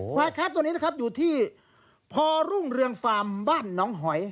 ควายแค้นตัวนี้นะครับอยู่ที่พรุ่งเรืองฟาร์มบ้านน้องหอย